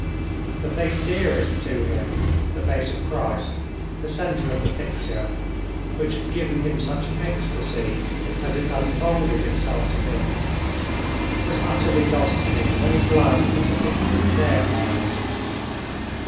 The face dearest to him, the face of Christ, the center of the picture, which had given him such ecstasy as it unfolded itself to him, was utterly lost to him when he glanced at the picture with their eyes.